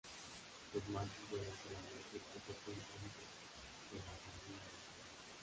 Los machos vuelan solamente poco tiempo antes de la salida del sol.